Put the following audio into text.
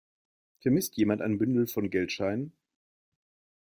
Vermisst jemand ein Bündel von Geldscheinen?